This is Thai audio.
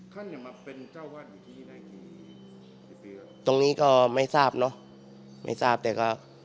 เขาเนี้ยมาเป็นเจ้าว่านอยู่ที่นี่ในกี่ปีแล้วตรงนี้ก็ไม่ทราบเนอะไม่ทราบแต่ก็